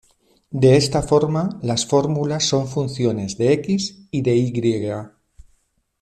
De esta forma las fórmulas son funciones de "x" o de "y".